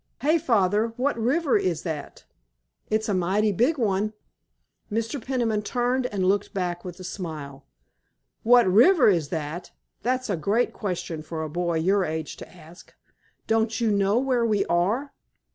"Hey, Father, what river is that? It's a mighty big one!" Mr. Peniman turned and looked back with a smile. "What river is that? That's a great question for a boy your age to ask! Don't you know where we are?